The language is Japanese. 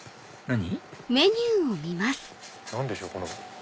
何でしょう？